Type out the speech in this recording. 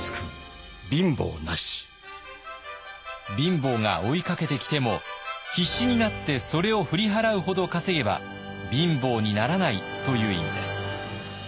貧乏が追いかけてきても必死になってそれを振り払うほど稼げば貧乏にならないという意味です。